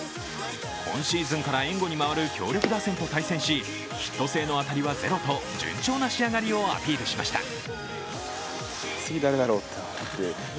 今シーズンから援護に回る強力打線と対戦し、ヒット性の当たりはゼロと順調な仕上がりをアピールしました。